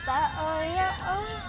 tak oh ya oh